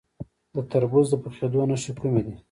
د تربوز د پخیدو نښې کومې دي؟